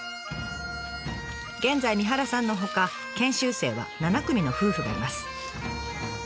現在三原さんのほか研修生は７組の夫婦がいます。